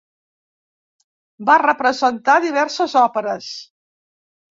Va representar diverses òperes.